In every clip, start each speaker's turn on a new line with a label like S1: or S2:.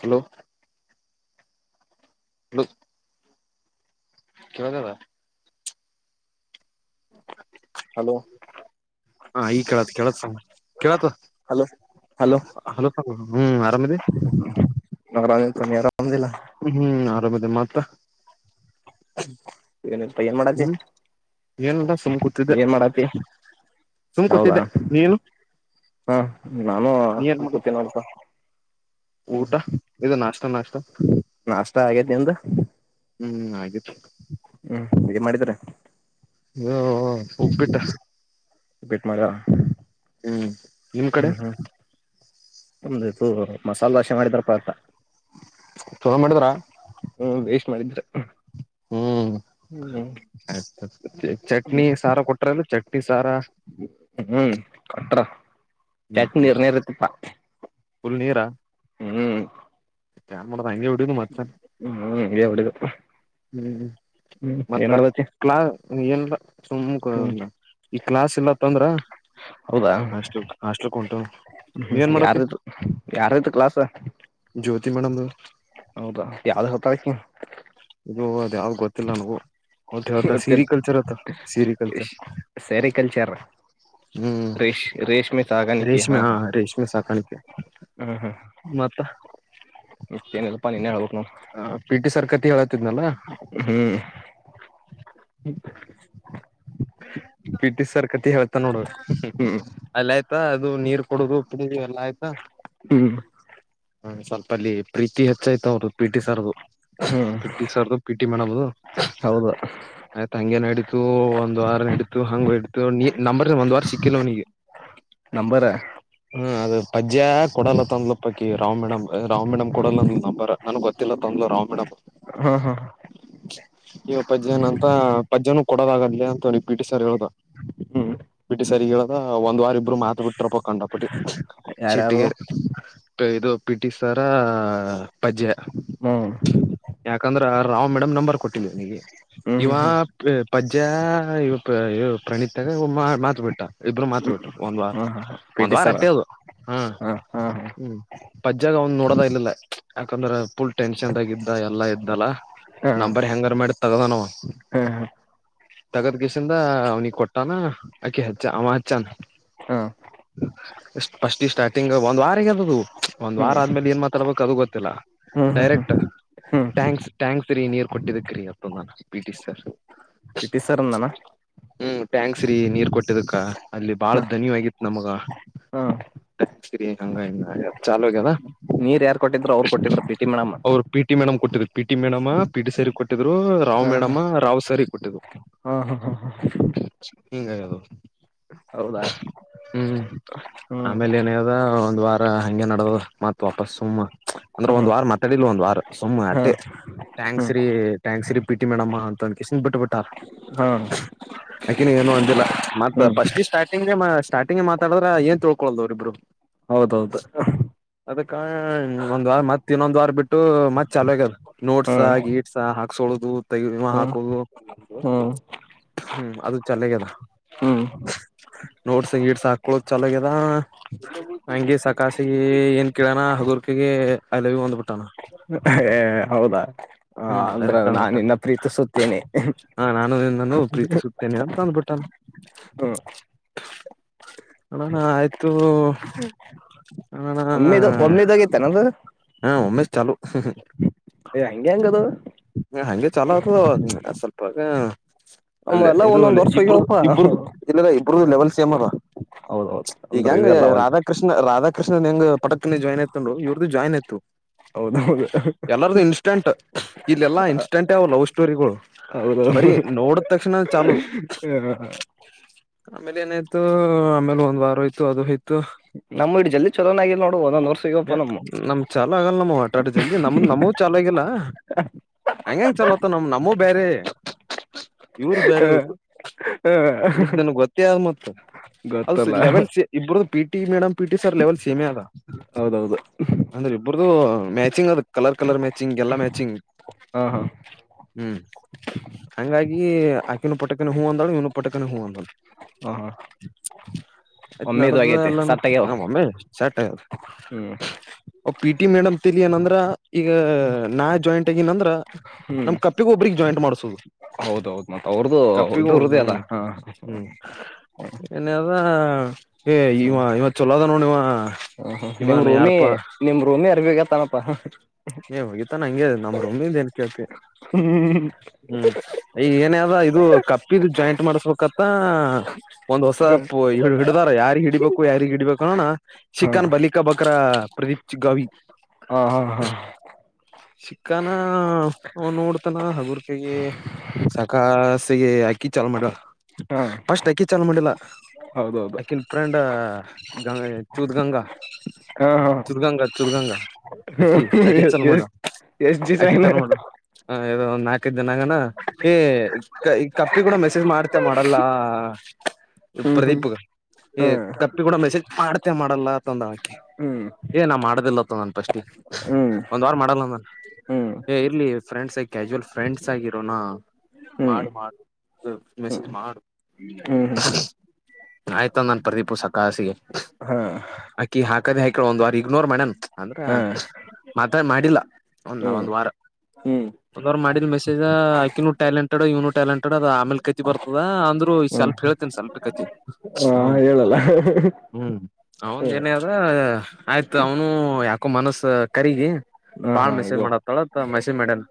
S1: Hello hello ಕೇಳ್ದದ.
S2: Hello
S1: ಹಾ ಈ ಕೇಳತ್ ಕೇಳಸ್ತ್ ಕೇಳತದ.
S2: ಹಲೋ ಹಲೋ
S1: ಹಲೋ ಹ್ಮ್ ಆರಾಮದಿ.
S2: ನ ಆರಾಮ್ ತನ್ನಿ [unintelligible]
S1: ಹ್ಮ್ ಆರಾಮದಿ ಮತ್ತ?
S2: ಏನಿಲ್ಪ ಏನ್ ಮಾಡಾತಿ
S1: ಹ್ಮ್ ಏನಲ್ಲ ಸುಮ್ ಕೂತಿದ್ದೆ
S2: ಏನ್ ಮಾಡಾತಿ?
S1: ಸುಮ್ ಕೂತಿದ್ದೆ ನೀನು?
S2: ಹಾ ನಾನು
S1: ನೀ ಏನ್ ಮಾಡ
S2: ಕೂತೀನ್ ನೋಡಪ್ಪ. ಹ್ಮ್
S1: ಊಟ ಇದು ನಾಷ್ಟ ನಾಷ್ಟ
S2: ನಾಷ್ಟ ಆಗೇತಿ ನಿಂದು?
S1: ಹ್ಮ್ ಆಗೖತ್ತು.
S2: ಹ್ಮ್ ಏನ್ ಮಾಡಿದರ?
S1: ಹ್ಮ್ ಉಪ್ಪಿಟ್ಟ
S2: ಉಪ್ಪಿಟ್ ಮಾಡ್ಯಾ
S1: ಹ್ಮ್ ನಿಮ್ ಕಡೆ
S2: ಹ್ಮ್ ಹ್ಮ್ ಒಮ್ದಾಯ ತೂ ಮಸಾಲೆ ದೋಶೆ ಮಾಡಿ ಬರತಪ್ಪ
S1: ಚಲೋ ಮಾಡಿದ್ರಾ.
S2: ಹ್ಮ್ ವೇಸ್ಟ್ ಮಾಡಿದ್ರ.
S1: ಹ್ಮ್
S2: ಹ್ಮ್
S1: ಆಯ್ತ್ ಚಟ್ನಿ ಸಾರು ಕೊಟ್ರೂ ಅಂದ್ರೆ ಚಟ್ನಿ ಸಾರಾ.
S2: ಹ್ಮ್ ಅತ್ರಾ
S1: ಹ್ಮ್ ಹ್ಮ್ ಪುಲ್ ನೀರಾ‌.
S2: ಹ್ಮ್
S1: ಏನ್ ಮಾಡದ್ ಹಂಗೆ ಹೊಡಿದ್ ಮತ್ಸನ್
S2: ಹ್ಮ್ ಹ್ಮ್ ಹಂಗೆ ಓಡಿಯದ್
S1: ಹ್ಮ್
S2: ಹ್ಮ್
S1: ಮತ್ತ
S2: ಏನ್ ಮಾಡತಿ
S1: ಕ್ಲಾ ಏನೂ ಇಲ್ಲ ಸುಮ್ ಕೂ ಈ ಕ್ಲಾಸ್ ಇಲ್ಲಂತಂದ್ರೆ.
S2: ಹೌದಾ
S1: ಹಾಸ್ಲ್ ಹಾಸ್ಟಲ್ ಕ್ ಓಂಟೋಗ್
S2: ಹ್ಮ್ ಯಾರದು ಯಾರದ್ ಕ್ಲಾಸ
S1: ಜ್ಯೋತಿ ಮೇಡಮ್ ದೂ
S2: ಹೌದಾ ಯಾವ್ದ್ ಹೊತಕ್
S1: ಇದು ಅದ್ ಯಾವ್ದ್ ಗೊತ್ತಿಲ್ಲ ನನಗೂ ಹೋತ ಹೋತ
S2: ಗೊತ್ತಿಲ್ಲ
S1: ಸಿರಿಕಲ್ಚರ್ ಆತ ಸಿರಿಕಲ್ಚರ್
S2: ರೆಷ್ ರೆ
S1: ರೇಷ್ಮೆ ಹಾ ರೇಷ್ಮೆ ಸಾಕಾಣಿಕೆ ಮತ್ತ
S2: ಏನಿಲ್ಲ ಪ್ಪಾ ನಿನ್ನೆ ಹೇಳಬೇಕ್ ನೋಡ್
S1: ಹ ಪಿಟಿ ಸರ್ ಕಥೆ ಹೇಳತಿದ್ನಲ್ಲಾ.
S2: ಹ್ಮ್
S1: ಪಿ ಟಿ ಸರ್ ಕಥಿ ಹೇಳತ್ತನ್ ನೋಡ್
S2: ಹ್ಮ್
S1: ಅಲ್ಲೇ ಆಯ್ತಾ ಅದು ನೀರ್ ಕುಡುದು ಕುಡುದು ಎಲ್ಲಾ ಆಯ್ತಾ.
S2: ಹ್ಮ್
S1: ಹ್ಮ್ ಸ್ವಲ್ಪ ಅಲ್ಲಿ ಪ್ರೀತಿ ಹೆಚ್ಚಾಯ್ತ ಅವ್ರದು ಪಿಟಿ ಸರ್ ದೂ
S2: ಹ್ಮ್
S1: ಪಿಟಿ ಸರ್ ದೂ ಪಿ ಟಿ ಮೇಡಮ್ ದು
S2: ಹೌದು
S1: ಆಯ್ತಾ ಹಂಗೆ ನಡಿಲ್ಲ್ ಓ ಒಂದ್ ವಾರ ಇಡ್ತೀ ಹಂಗೂ ಇಡ್ತು ನೀ ನಂಬರ್ ಒಂದ್ ವಾರ ಸಿಕ್ಕಲ್ಲ ಅವನಿಗೆ
S2: ನಂಬರ್
S1: ಹ್ಮ ಅದು ಪಜ್ಜೆ ಕೊಡಲ್ಲ ಅತಂದ್ಲೂ. ಪಾಕಿ ರಾಮ್ ಮೇಡಮ್ ರಾಮ್ ಮೇಡಮ್ ಕೊಡಲ್ಲ ಅಂದ್ರೂ ನೀನ್ ನಂಬರ ನನಗೆ ಗೊತ್ತಿಲ್ಲ ತಂದ್ಳೂ ರಾಮ್ ಮೇಡಮ್.
S2: ಹ್ಮ್ ಹ್ಮ್
S1: ಇವಾಗ ಪಜ್ಜೆನ ಅಂತ ಪಜ್ಜನೂ ಕೊಡೋದಾಗದಲ್ಲೇ ಅಂತ ಹೇಳ್ ಪಿಟಿ ಸರ್ ಹೇಳದ
S2: ಹ್ಮ್
S1: ಪಿಟಿ ಸರ್ ಗೆ ಹೇಳದ ಒಂದ್ ವಾರ ಇಬ್ಬರ್ ಮಾತು ಬಿಟ್ರ ಪಕೊಂಡಪ್ಪಟ್ಟಿ
S2: ಯಾರ್ಯಾರು
S1: ಸಿಟ್ಟೀಗೇರಿ ಮತ್ತೆ ಇದು ಪಿಟಿ ಸರ ಪಜ್ಜೆ
S2: ಹ್ಮ್
S1: ಯಾಕಂದ್ರೆ ಆ ರಾಮ್ ಮೇಡಮ್ ನಂಬರ್ ಕೊಟ್ಟಿದ ನನಗೆ
S2: ಹ್ಮ್
S1: ಇವ
S2: ಹ್ಮ್ ಹ್ಮ್
S1: ಪ್ಲೇ ಪಜ್ಜೆ ಇವ ಪ್ರಣೀತಾಗ ಮಾತ್ ಬಿಟ್ಟ ಇಬ್ಬರು ಮಾತ್
S2: ಹ್ಮ್ ಹ್ಮ್
S1: ಬಿಟ್ರು ಒಂದ್ ವಾರ
S2: ಹ್ಮ್ ಪಿ
S1: ಒಂದ್
S2: ಟಿ
S1: ವಾರ
S2: ಸರ್
S1: ಹಟ್ಟೆ ಅವ್ ಹಾ ಹ್ಮ್ ಪಜ್ಜಾಗ ಅವನ್ ಒಂದ್ ನೋಡದ ಇಲಿಲ್ಲ ಯಾಕಂದ್ರೆ ಪುಲ್ ಟೆನ್ಷನ್ದಾಗ ಇದ್ದ ಎಲ್ಲಾ ಇದ್ದನಲ್ಲ. ನಂಬರ್ ಹೆಂಗ ಮಾಡಿ ತಗೋನವ.
S2: ಹಾ ಹಾ
S1: ತಗದ್ ಗಿಸಿಂದ ಅವ್ನಿಗೆ ಕೊಟ್ಟಾನ ಆಕಿ ಹಚ್ಚ ಅವ ಹಚ್ಚಾನ.
S2: ಹಾ
S1: ಫಸ್ಟ್ ಈ ಸ್ಟಾರ್ಟಿಂಗ್ ಒಂದ್ ವಾರ ಅದದು ಒಂದ್
S2: ಹ್ಮ್
S1: ವಾರ ಆದ್ಮೇಲೆ ಏನ್ ಮಾತಾಡ್ಬೇಕು ಅದು ಗೊತ್ತಿಲ್ಲ
S2: ಹ್ಮ್ ಹ್ಮ್
S1: ಡೈರೆಕ್ಟ್
S2: ಹ್ಮ್
S1: ಟ್
S2: ಹ್ಮ್
S1: ಟ್ಯಾಂಕ್ಸ್ ಟ್ಯಾಂಕ್ಸ್ ರೀ ನೀರ್ ಕೊಟ್ಟಿದ್ದಕ್ ರೀ ಅಂತದನ್ನ P T sir.
S2: P T sir ಅಂದನ.
S1: ಹ್ಮ್ ಥ್ಯಾಂಕ್ಸ್ ರಿ ನೀರ್ ಕೊಟ್ಟಿದಕ್ಕ ಅಲ್ಲಿ ಬಾಳ
S2: ಹ
S1: ಧನಿ ಹೋಗಿತ್ತು ನಮಗ.
S2: ಹ
S1: [unintelligible] ಥ್ಯಾಂಕ್ಸ್ ರಿ ಅಂಗ ಇಂಗ ಚಲೋ ಆಗ್ಯದ.
S2: ಕೊಟ್ಟಿದ್ರರು ಅವ್ರು ಕೊಟ್ಟಿದ್ರು ಪ್ರೀತಿ ಮೇಡಮ್.
S1: ಪಿಟಿ ಮೇಡಮ್ ಕೊಟ್ಟ್ರು ಪಿಟಿ ಮೇಡಮ ಪಿಟಿ ಸರಗೆ ಕೊಟ್ಟಿದರು ರಾವ್ ಮೇಡಮ ರಾವ್ ಸರ್ ಗೆ ಕೊಟ್ಟಿದ್ರು.
S2: ಹಾ ಹಾ ಹಾ ಹಾ.
S1: ಹಿಂಗದು
S2: ಹೌದಾ
S1: ಹ್ಮ್
S2: ಹ್ಮ್
S1: ಆಮೇಲೆ ಏನ ಒಂದ್ ವಾರ ಹಂಗೆ ನಡೆದಿದ ಮತ್ ವಾಪಸ್ ಅಂಗೆ ಸುಮ್ ಅಂದ್ರೆ ಒಂದ್
S2: ಹ್ಮ್
S1: ವಾರ ಮಾತಾಡಿಲ್ ಒಂದ್ ವಾರ
S2: ಹಾ
S1: ಸುಮ್ಅಟ್ಟೆ. ಥ್ಯಾಂಕ್ಸ್
S2: ಹ್ಮ್
S1: ರೀ ಥ್ಯಾಂಕ್ಸ್ ರೀ ಪಿಟಿ ಮೇಡಮ್ಮಾ ಅಂತ ಅಂದನ ಬಿಟ್ಟು ಬಿಟ್ಟ.
S2: ಹಾ
S1: ಆಕಿನ ಏನು ಅಂದಿಲ್ಲ ಮತ್ತ
S2: ಹ್ಮ್
S1: ಫಸ್ಟ್ ಸ್ಟಾರ್ಟಿಂಗ್ಗೆ ಸ್ಟಾರ್ಟ [unintelligible] ಮಾತಾಡಿದ್ರ ಏನ್ ತಿಳ್ಕೊಳದ ಅವರು ಇಬ್ರು.
S2: ಹೌದೌದು
S1: ಅದಕ್ಕ ಒಂದ್ ವಾರ ಮತ್ ಇನ್ನೊಂದ್ ವಾರ ಬಿಟ್ಟು ಮತ್ ಚಲ ಆಗ್ಯದ. ನೋಟ್ಸ
S2: ಹ್ಮ್
S1: ಗೇಟ್ಸ ಹಾಕ್ಸೋಳದು ತಗ ಇವ ಹಾಕೋದು.
S2: ಹಾ
S1: ಹ್ಮ್ ಅದು ಚಲೋ ಆಗ್ಯದ.
S2: ಹ್ಮ
S1: ನೋಟ್ಸ್ ಗಿಟ್ಸ್ ಹಾಕೋದು ಚಲಾಗ್ಯದ ಹಂಗೆ ಸಾಕಾಸಿಗೆ ಎಂತ. ಕೇಳ್ಯನ ಅದು ಅಕಿಗೆ ಐ ಲವ್ ಯು ಅಂದಬಿಟ್ಟನ.
S2: ಹೇ ಹೌದಾ ಹ
S1: ಹ್ಮ್
S2: ಅಂದ್ರೆ ನಾನ
S1: ಡೈರೆಕ್ಟ್
S2: ನಿನ್ನ ಪ್ರೀತಿಸುತ್ತೇನೆ.
S1: ತನೇ ಅಂತ ಅಂದ್ಬಿಟ್ಟನ.
S2: ಹ
S1: ಅಣ್ಣ ಆಯ್ತು. ಹ
S2: ಒಮ್ಮೆದ ಒಮ್ಮೆದಾಗ ಇತ್ತಿನ ಅದು.
S1: ಹಾ ಉಮ್ಮೇಶ್ ಚಾಲುವು.
S2: ಏ ಅಂಗೆಂದದು.
S1: ಹ ಅಂಗೆ ಚಲೋ ಆತದ ಅದ ಸ್ವಲ್ಪಾ ಅಂಗ.
S2: ನಮ್ಮ್
S1: ಅಲ್ಲೇ
S2: ಎಲ್ಲಾ
S1: ಇದು ಅ
S2: ಒಂದೊಂದ್ ವರ್ಷ
S1: ಇಬ್ರುದು
S2: ಹೋಗ್ಯವಪ್ಪಾ
S1: ಇಬ್ರುದು ಇಲ್ಲ ಇಲ್ಲ ಇಬ್ರದು ಲೆವೆಲ ಸೇಮ್ ಅದ.
S2: ಹೌದೌದು ಅಂದ್ರೆ ಇದೆಲ್ಲ ಒಂದ
S1: ಕೃಷ್ಣ ರಾಧ ಕೃಷ್ಣನ್ ಹೆಂಗ ಪಟಕ್ಕನಲ್ಲಿ ಜಾಯನ್ ಆಯತುರು ಇವ್ರದು ಜಾಯ್ನ್ ಆಯತು.
S2: ಹೌದೌದು
S1: ಎಲ್ಲಾರ್ದು ಇನ್ಸ್ಟೆಂಟ್ ಇಲೆಲ್ಲಾ ಇನ್ಸ್ಟೆಂಟ್ ಅವ ಲವ್ ಸ್ಟೋರಿಗಳು.
S2: ಹೌದೌದು
S1: ಬರಿ ನೋಡಿದ ತಕ್ಷಣ ಚಾಲು. ಆಮೇಲೆ ಏನಾಯ್ತು ಆಮೇಲೆ ಒಂದ್ ವಾರ ಹೋಯ್ತು ಅದು ಆಯ್ತು.
S2: ನಮ್ಮಡ ಜಲ್ದಿ ಚಲೋನಾಗಿ ನೋಡು ಒಂದೊಂದ್ ವರ್ಷ ಸಿಗಪ್ಪ ನಮ್ಮ
S1: ನಮ್ ಚಾಲ ಆಗಲ್ಲ ನಮ್ ಆಟಾಟ ಜಲ್ದಿ ನಮ್ದ ನಮೂ ಚಾಲ ಆಗಿಲ್ಲ. ಹಂಗಂಗ ಚಲೋತ್ತ ನಮ ನಮ್ಮೂವು ಬೇರೆ ಇವರು ಬೇರೆ ಇತ್ತು
S2: ಹ್ಮ
S1: ಇಟ್ಟೆ ಆದ ಮತ್ತೆ.
S2: ಗೊತ್ತಲ್ಲ.
S1: ಇಬ್ರುದು PT madam PT sir level same ಆದ.
S2: ಹೌದೌದು
S1: ಅಂದ್ರೆ ಇಬ್ರದು ಮ್ಯಾಚಿಂಗ್ ಅದ ಕಲರ್ ಕಲರ್ ಮ್ಯಾಚಿಂಗ್ ಎಲ್ಲಾ ಮ್ಯಾಚಿಂಗ್.
S2: ಹಾ ಹಾ
S1: ಹ್ಮ್ ಹಂಗಾಗಿ ಆಕಿನ ಪುಟ್ಟಕನ ಹೂ ಅಂದಳು ಇನು ಇವನು ಹು ಅಂದನು
S2: ಹ ಹಾ
S1: [inaudible] ಆಯ್ತ್
S2: ಒಮ್ಮೆ ಇದು
S1: ನಡ್ದ
S2: ಆಗೈತಿ
S1: ಎಲ್ಲಾನ
S2: ಸಟ್ಟಾಗ್ಯಾವ
S1: ನಮ್ಮೊಮ್ಮಿ ಚಟ್ ಆಗದು
S2: ಹ್ಮ್
S1: ಪಿ ಟಿ ಮೇಡಮ್ ತಿಲಏನಂದ್ರ ಈಗ ನಾ ಜಾಯಿಂಟ್ ಆಗೆನ ನಂದ್ರ
S2: ಹ್ಮ್
S1: ನಮ್ ಕಪ್ಪಿಗ ಒಬ್ರಗ್ ಜಾಯಿಂಟ್ ಮಾಡಸದು
S2: ಹೌದೌದು ಮತ್ತ ಅವ್ರದು
S1: ಕಪ್ಪಗಿನು
S2: ಇದರ್ದೇ ಅಲ್ಲ
S1: ಹ್ಮ್
S2: ಹ
S1: ಹ್ಮ್ ಇನ್ನ ಅದ ಏ ಇವ ಇವ ಚೊಲೋ ಅದನ ನೋಡ್ ಇವಾ
S2: ಹ ಹ ನಿಮ್ ರೂಮಿ ನಿಮ್ ರೂಮಿ ಅರಿಬೇಕತನಪ್ಪಾ
S1: ನೀ ಹೋಗಿತಾನ ಹಂಗೆ ನಮ್ ರೂಮಿಂದ ಏನ್ ಕೇಳ್ತಿ ಹ್ಮ್ ಈ ಏನಯದ ಇದು ಕಪ್ಪಿದ ಜಾಯಿಂಟ್ ಮಾಡಸ್ಬೇಕತ್ತ ಒಂದ್ ಹೊಸ ಪೋ [unintelligible] ಹಿಡ್ದಾರ ಯಾರಿಗ್ ಹಿಡಬೇಕು ಯಾರಿಗ್ ಹಿಡಬೇಕು ಅನ್ನೋಣ
S2: ಹ
S1: ಚಿಕ್ಕನ್ ಬಲಿಕಾ ಬಕ್ರ ಪ್ರದೀಪ್ ಚಿಗ್ಗಾವಿ
S2: ಹಾ ಹಾ [inaudible]
S1: ಚಿಕ್ಕಾನ ನೋಡ್ತಾನ ಹಗುರ್ಕೆಗೆ ಸಾಕಾಸಿಗೆಕ ಅಕ್ಕಿ ಚಾಲುವ್ ಮಾಡ್ಯಾಳ
S2: ಹಾ
S1: ಫಸ್ಟ ಅಕಿ ಚಾಲು ಮಾಡಿಲ್ಲ
S2: ಹೌದೌದು
S1: [inaudible] ಆಕಿನ ಅದ ಅದ ಗಂಗ ಚೂದ ಗಂಗಾ
S2: ಹಾ ಹಾ
S1: ಚುದಗಂಗಾ ಚುದಗಂಗಾ ಆಕಿ ಆಕಿ
S2: ಎಸ್
S1: ಚಲೂ
S2: ಎಸ್
S1: ಮಾಡ್ಯಾಳ
S2: ಎಸ್ ಡಿಸೈನ್
S1: ಅಕಿತರ ನೋಡ್ ಎ ಒಂದ ನಾಕೈಐದ ದಿನಗಣ ಏ ಈ ಕಪ್ಪಿ ಕೂಡ ಮೆಸೇಜ್ ಮಾಡ್ತಿ ಮಾಡಲ್ಲಾ
S2: ಹ್ಮ್ ಹ್ಮ್
S1: ಪ್ರದೀಪ್ಗ ಎ
S2: ಹ
S1: ಕಪ್ಪಿಕೂಡ ಮೆಸೇಜ್ ಮಾಡ ಮಾಡಲ್ಲತಾ ಅಂದಳ ಅಕಿ
S2: ಹ್ಮ್
S1: ಏ ನಾ ಮಾಡದಿಲ್ಲ ತಂದಣ ಪಸ್ಟಿಗೆ
S2: ಹ್ಮ್
S1: ಒಂದ್ ವಾರ ಮಾಡಲ್ಲ
S2: ಹ್ಮ್
S1: ಏ ಇರ್ಲಿ ಫ್ರೆಂಡ್ಸ್ ಕ್ಯಾಜುವಲ್ ಫ್ರೆಂಡ್ಸ್ ಆಗಿರೋನಾ
S2: ಹ್ಮ್ ಹ್ಮ್
S1: ಮಾಡ ಮಾಡ ಇದ ಟ್ವಿಸ್ಟ್ ಮಾಡ
S2: ಹ್ಮ
S1: [unintelligible] ಆಯ್ತ ನನ್ ಪ್ರದೀಪುಸ ಕಾಸಿಗೆ
S2: ಹಾ
S1: ಅಕಿ ಹಾಕದೇ ಹಾಕಳ ಒಂದ್ ವಾರ ಇಗ್ನೋರ್ ಮಾಡ್ಯನ್ ಅಂದ್ರ
S2: ಹಾ
S1: ಮಾತಾ ಮಾಡಿಲ್ಲ ಒಂದ
S2: ಹ್ಮ್
S1: ಒಂದ ವಾರ
S2: ಹ್ಮ್
S1: ಒಂದವಾರ ಮಾಡಿದ್ ಮೆಸೇಜ್ ಆಕಿನು ಟಾಲೆಂಟೆಡ್ ಇವನು ಟಾಲೆಂಟೆಡ್ ಆಮೇಲೆ ಕತಿ ಬರ್ತದ ಅಂದ್ರರು ಸ್ವಲ್ಪ್ ಹೇಳ್ತನ ಸರ್ ಅಕ್ಕತಿ
S2: ಹಾ ಹೇಳಲ್ಲ
S1: ಅವನ್
S2: ಹ
S1: ಏನೆದ ಆಯ್ತ ಅವನು ಯಾಕೋ ಮನಸ್ಸ ಕರಿಗಿ ಬಾಳ
S2: ಹಾ
S1: ಮೆಸೇಜ್
S2: ಇದು
S1: ಮಾಡತ್ತತಳತ್ ಮೆಸೇಜ್ ಮಾಡ್ಯನ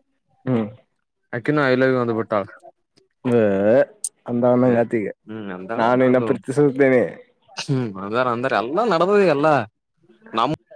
S2: ಹ್ಮ್
S1: ಅಕಿನು ಐ ಲವ್ ಯು ಅಂದ ಬಿಟ್ಟಾಳಾ
S2: ನನ್ನಂಗ ಆತ ಈಗ [inaudible] ನಾನು ಇನ್ನ
S1: ಅದು
S2: ಪ್ರೀತಿಸುತ್ತೇನೆ
S1: ಹ್ಮ್ ಅಂದಾರ ಅಂದಾರ ಎಲ್ಲಾ ನಡದದ ಎಲ್ಲಾ ನಮ್